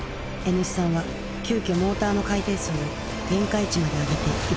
Ｎ産は急きょモーターの回転数を限界値まで上げて挑んだ。